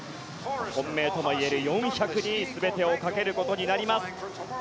本命ともいえる４００に全てをかけることになります。